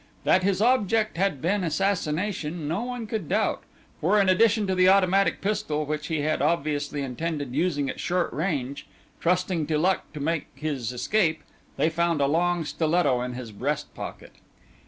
That his object had been assassination no one could doubt, for in addition to the automatic pistol, which he had obviously intended using at short range, trusting to luck to make his escape, they found a long stiletto in his breast pocket.